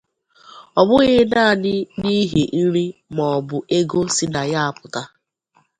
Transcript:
ọ bụghị naanị n'ihi nri ma ọ bụ ego si na ya apụta